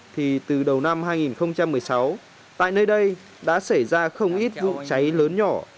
thì từ đầu năm hai nghìn một mươi sáu tại nơi đây đã xảy ra không ít vụ cháy lớn nhỏ